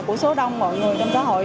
của số đông mọi người trong xã hội